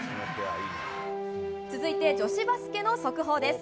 続いて女子バスケの速報です。